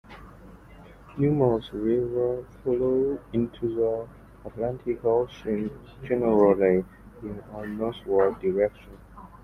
Numerous rivers flow into the Atlantic Ocean, generally in a northward direction.